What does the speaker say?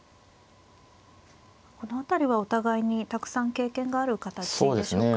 この辺りはお互いにたくさん経験がある形でしょうか。